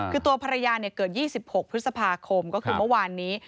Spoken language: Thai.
คือตัวภรรยาเกิด๒๖พฤษภาคมก็คือเมื่อวานนี้